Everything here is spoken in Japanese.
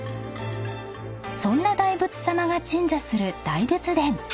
［そんな大仏さまが鎮座する大仏殿］